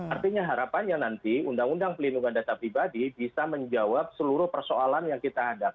artinya harapannya nanti undang undang pelindungan data pribadi bisa menjawab seluruh persoalan yang kita hadapi